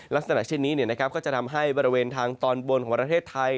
ลักษณะเช่นนี้ก็จะทำให้บริเวณทางตอนบนของประเทศไทย